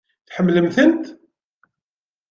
Tḥemmlemt-tent?